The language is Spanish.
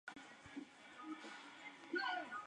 Hitler ordenó a su abandono.